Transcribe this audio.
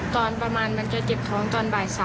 ตอนประมาณนั้นแกเจ็บท้องตอนบ่าย๓